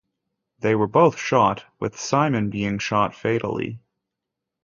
They were both shot, with Simon being shot fatally.